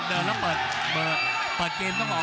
เดินแล้วเปิดเปิดเกมต้องออก